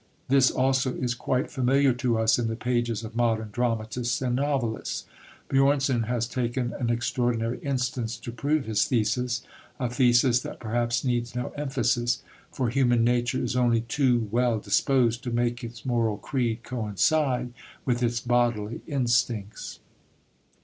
This also is quite familiar to us in the pages of modern dramatists and novelists. Björnson has taken an extraordinary instance to prove his thesis, a thesis that perhaps needs no emphasis, for human nature is only too well disposed to make its moral creed coincide with its bodily instincts.